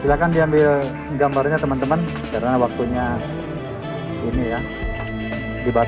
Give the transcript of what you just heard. silahkan diambil gambarnya teman teman karena waktunya ini ya dibatasi